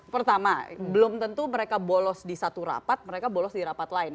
pertama belum tentu mereka bolos di satu rapat mereka bolos di rapat lain